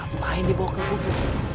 apaan dibawa ke buku